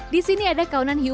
di sini ada kawanan hiu